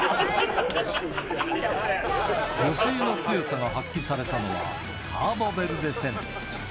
吉井の強さが発揮されたのは、カーボベルデ戦。